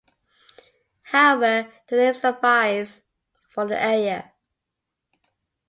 However the name survives for the area.